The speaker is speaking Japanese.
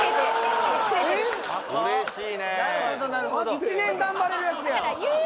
１年頑張れるやつやん